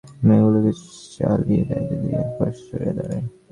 আমি এগুলিকে চলিয়া যাইতে দিই, একপার্শ্বে সরিয়া দাঁড়াই।